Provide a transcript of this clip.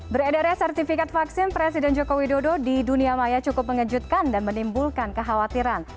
beredarnya sertifikat vaksin presiden joko widodo di dunia maya cukup mengejutkan dan menimbulkan kekhawatiran